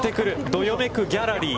どよめくギャラリー。